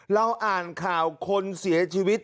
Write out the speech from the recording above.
เราอ่านข่าวคนเสียชีวิต